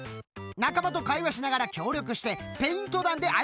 仲間と会話しながら協力してペイント弾で相手を倒すんだ！